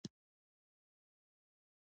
د جنراتورونو لګښت څومره دی؟